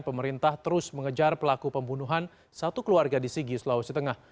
pemerintah terus mengejar pelaku pembunuhan satu keluarga di sigi sulawesi tengah